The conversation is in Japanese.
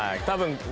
たぶん。